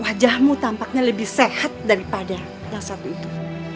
wajahmu tampaknya lebih sehat daripada yang satu itu